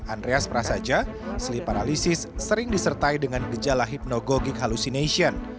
andreas prasaja sleep paralysis sering disertai dengan gejala hypnagogic hallucination